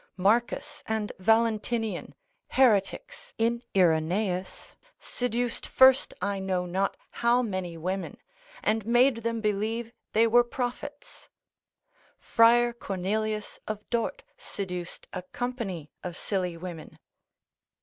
Marcus and Valentinian heretics, in Irenaeus, seduced first I know not how many women, and made them believe they were prophets. Friar Cornelius of Dort seduced a company of silly women.